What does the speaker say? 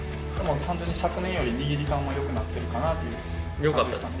完全に昨年より握り感はよくなってるかなという感じなんですか。